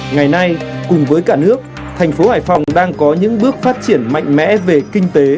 ngày nay cùng với cả nước thành phố hải phòng đang có những bước phát triển mạnh mẽ về kinh tế